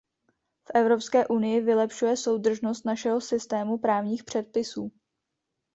V Evropské unii vylepšuje soudržnost našeho systému právních předpisů.